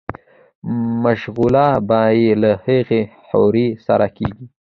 مشغولا به ئې له هغې حورې سره کيږي